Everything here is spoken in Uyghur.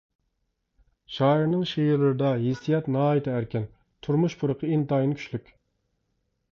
شائىرنىڭ شېئىرلىرىدا ھېسسىيات ناھايىتى ئەركىن، تۇرمۇش پۇرىقى ئىنتايىن كۈچلۈك.